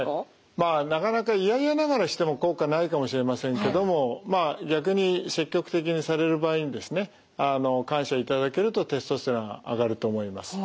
まあなかなかいやいやながらしても効果ないかもしれませんけどもまあ逆に積極的にされる場合にですねあの感謝いただけるとテストステロンが上がると思います。